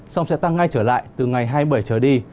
sông sẽ tăng ngay trở lại từ ngày hai mươi bảy trở đi